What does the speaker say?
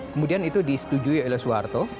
kemudian itu disetujui oleh soeharto